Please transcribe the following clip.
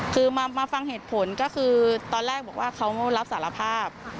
คือมาฟังเหตุผลก็คือตอนแรกบอกว่าเขารับสารภาพ